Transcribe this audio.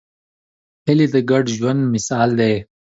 هیلۍ د ګډ ژوند مثال ده